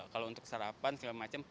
kalau untuk sarapan segala macam